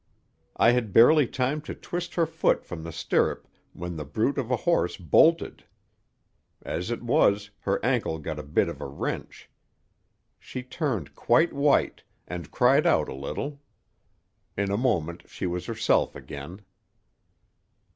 I had barely time to twist her foot from the stirrup when the brute of a horse bolted. As it was, her ankle got a bit of a wrench. She turned quite white, and cried out a little. In a moment she was herself again.